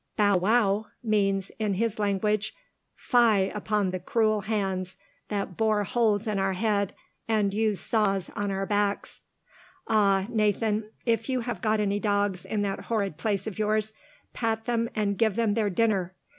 Bow wow means, in his language, Fie upon the cruel hands that bore holes in our head and use saws on our backs. Ah, Nathan, if you have got any dogs in that horrid place of yours, pat them and give them their dinner!